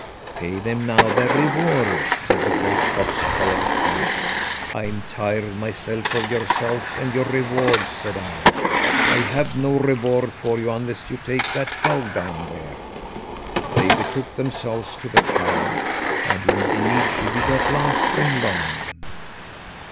'Pay them now their reward,' said the great fox coloured cat. 'I am tired myself of yourselves and your rewards,' said I. 'I have no reward for you unless you take that cow down there.' They betook themselves to the cow, and indeed she did not last them long.